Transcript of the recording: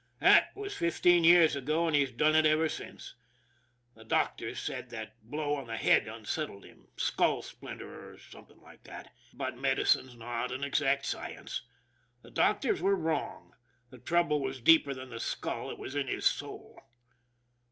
That was fifteen years ago, and he's done it ever since. The doctors said that blow on the head unsettled him, skull splinter, or something like that ; but medicine's not an exact science. The doctors were wrong. The trouble was deeper than the skull it was in his soul.